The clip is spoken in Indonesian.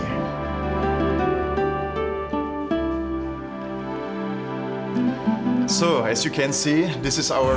jadi seperti yang kalian lihat ini adalah